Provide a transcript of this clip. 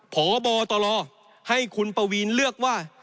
พบตเลือกว่า